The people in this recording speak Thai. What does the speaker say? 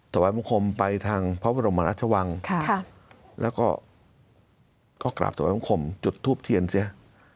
สวรรคมไปทางพระบรมรัชวังแล้วก็กลับสวรรคมจุดทูปเทียนเสีย